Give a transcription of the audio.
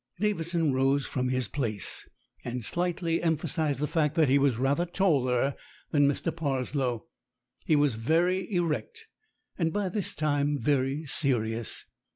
Davidson rose from his place, and slightly empha sized the fact that he was rather taller than Mr. Pars low. He was very erect, and by this time very serious.